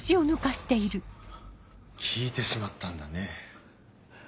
聞いてしまったんだね。